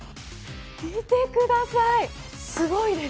見てください、すごいです。